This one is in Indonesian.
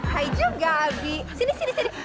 hai juga abi sini sini sini